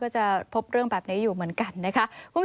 ก็จะพบแบบนี้อยู่เหมือนกันนะคะ